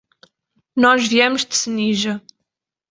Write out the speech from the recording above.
Nós viemos de Senija.